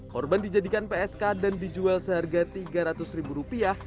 korban dijadikan psk dan dijual seharga tiga ratus ribu rupiah